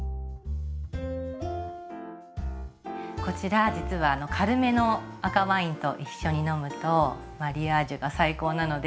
こちら実は軽めの赤ワインと一緒に飲むとマリアージュが最高なので。